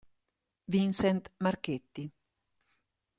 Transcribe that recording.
Vincent Marchetti